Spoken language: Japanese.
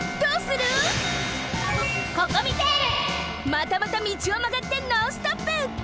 またまた道をまがってノンストップ！